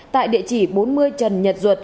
tại địa chỉ bốn mươi trần nhật duật